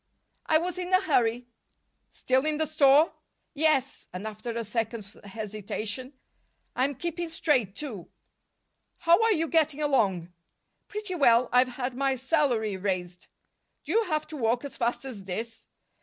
"I was in a hurry." "Still in the store?" "Yes." And, after a second's hesitation: "I'm keeping straight, too." "How are you getting along?" "Pretty well. I've had my salary raised." "Do you have to walk as fast as this?"